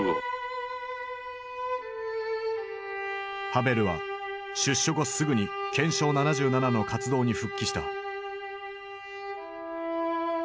ハヴェルは出所後すぐに「憲章７７」の活動に復帰した。